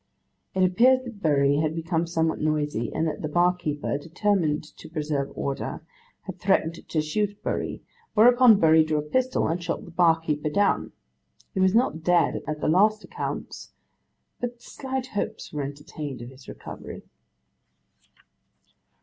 It appears that Bury had become somewhat noisy, and that the barkeeper, determined to preserve order, had threatened to shoot Bury, whereupon Bury drew a pistol and shot the barkeeper down. He was not dead at the last accounts, but slight hopes were entertained of his recovery.